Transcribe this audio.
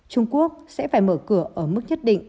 trung quốc sẽ phải mở cửa ở mức nhất định